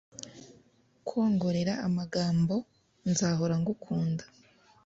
kwongorera amagambo nzahora ngukunda